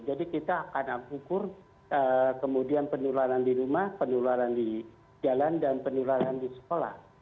jadi kita akan ukur kemudian penularan di rumah penularan di jalan dan penularan di sekolah